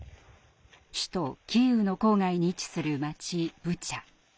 首都キーウの郊外に位置する町ブチャ。